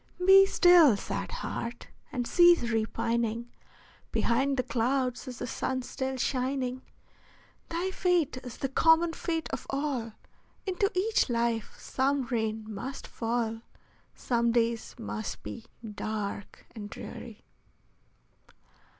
Be still, sad heart! and cease repining; Behind the clouds is the sun still shining; Thy fate is the common fate of all, Into each life some rain must fall, Some days must be dark and dreary.